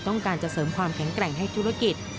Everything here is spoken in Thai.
ต้องการจะเสริมความแข็งแกร่งให้ธุรกิจ